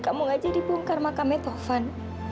kamu ngajak dibungkar makamnya taufan